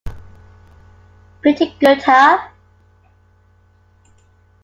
Pretty good, huh?